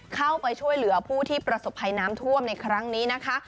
เข้าไปช่วยเหลือผู้ที่ประสบภัยน้ำท่วมในครั้งนี้นะคะ